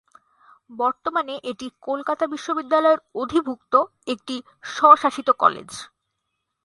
বর্তমানে এটি কলকাতা বিশ্ববিদ্যালয়ের অধিভুক্ত একটি স্বশাসিত কলেজ।